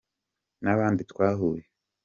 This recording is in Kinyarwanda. nabandi twahuye.